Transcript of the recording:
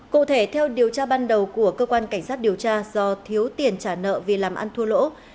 cụ thể theo điều tra ban đầu của cơ quan cảnh sát điều tra do thiếu tiền trả nợ vì làm ăn thua lỗ